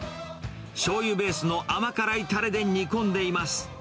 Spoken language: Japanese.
しょうゆベースの甘辛いたれで煮込んでいます。